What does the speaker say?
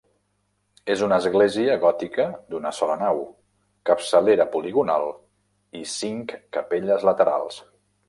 És una església gòtica d'una sola nau, capçalera poligonal i cinc capelles laterals.